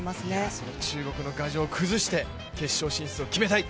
その中国の牙城を崩して決勝進出を決めたい。